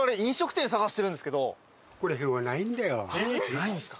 ないんですか。